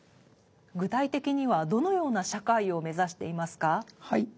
具体的にはどのような社会を目指していますか？